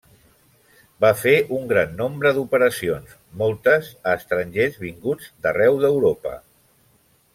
Va fer un gran nombre d’operacions, moltes a estrangers vinguts d'arreu d'Europa.